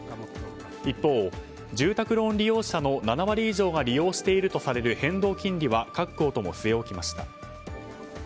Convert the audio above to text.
一方、住宅ローン利用者の７割以上が利用しているとされる変動金利は各行とも据え置きました。